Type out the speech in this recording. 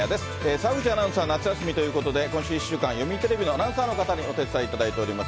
澤口アナウンサーは夏休みということで、今週１週間、読売テレビのアナウンサーの方に、お手伝いいただいております。